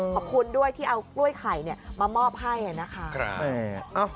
ขอบคุณด้วยที่เอากล้วยไข่มามอบให้นะคะ